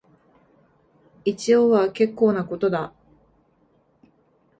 一応は結構なことだ